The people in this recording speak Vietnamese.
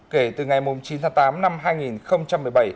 kể từ ngày chín tháng tám năm hai nghìn một mươi bảy